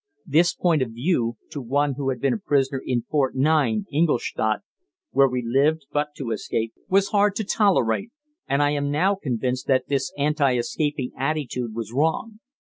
This point of view, to one who had been a prisoner in Fort 9, Ingolstadt, where we lived but to escape, was hard to tolerate, and I am now convinced that this anti escaping attitude was wrong.